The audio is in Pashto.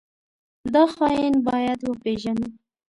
دا خاين بايد وپېژنو.